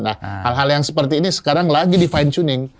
nah hal hal yang seperti ini sekarang lagi di fine tuning